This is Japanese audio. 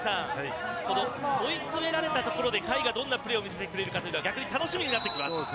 追い詰められたところで甲斐がどんなプレーを見せてくれるか逆に楽しみになってきます。